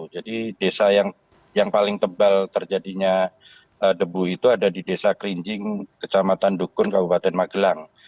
jadi desa yang paling tebal terjadinya debu itu ada di desa klinjing kecamatan dukun kabupaten magelang